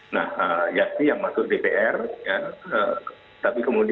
nah yassi yang beragama itu berasal dari kabupaten gulaan mongondo